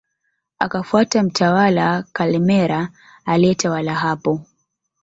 Akafuata mtawala Kalemera aliyetawala hapo